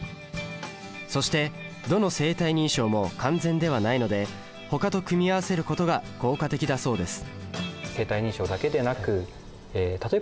そしてどの生体認証も完全ではないのでほかと組み合わせることが効果的だそうです